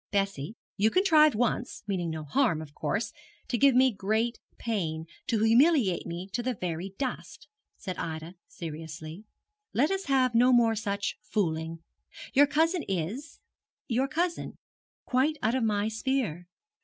'Bessie, you contrived once meaning no harm, of course to give me great pain, to humiliate me to the very dust,' said Ida, seriously. 'Let us have no more such fooling. Your cousin is your cousin quite out of my sphere.